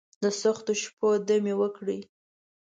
دسختو شپو، دمې وکړي